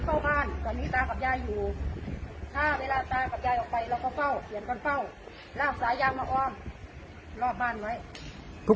ตอนที่มันขึ้นอยู่แบบนี้เราไม่เห็น